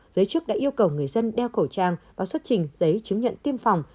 giới chức đã yêu cầu người dân đeo khẩu trang và xuất trình giấy chứng nhận tiêm phòng